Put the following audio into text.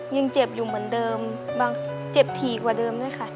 ยังเจ็บอยู่เหมือนเดิมบางเจ็บถี่กว่าเดิมด้วยค่ะ